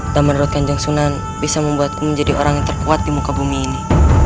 dan menurut kanjeng sunan bisa membuatku menjadi orang yang terkuat di muka bumi ini